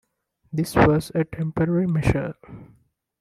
This was a temporary measure.